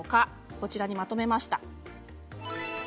こちらに、まとめました。